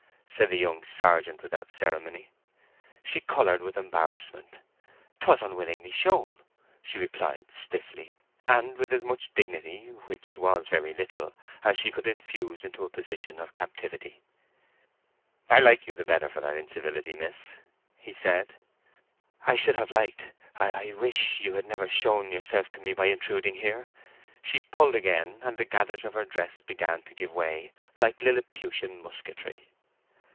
said the young sergeant, without ceremony. She coloured with embarrassment. "'Twas unwillingly shown," she replied, stiffly, and with as much dignity—which was very little—as she could infuse into a position of captivity. "I like you the better for that incivility, miss," he said. "I should have liked—I wish—you had never shown yourself to me by intruding here!" She pulled again, and the gathers of her dress began to give way like liliputian musketry.